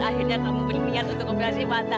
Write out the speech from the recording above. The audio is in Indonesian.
akhirnya kamu bermiat untuk operasi mata